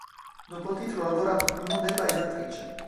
Dopo il titolo ha lavorato come modella ed attrice.